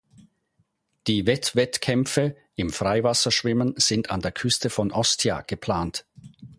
Die Wettwettkämpfe im Freiwasserschwimmen sind an der Küste von Ostia geplant.